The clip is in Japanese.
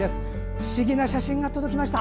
不思議な写真が届きました。